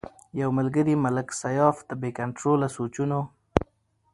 يو ملکري ملک سياف د بې کنټروله سوچونو